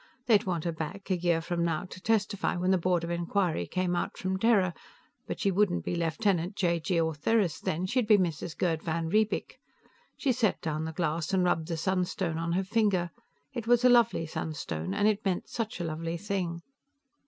They'd want her back, a year from now, to testify when the board of inquiry came out from Terra, but she wouldn't be Lieutenant j.g. Ortheris then, she'd be Mrs. Gerd van Riebeek. She set down the glass and rubbed the sunstone on her finger. It was a lovely sunstone, and it meant such a lovely thing.